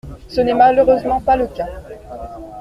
Ce n’est malheureusement pas le cas.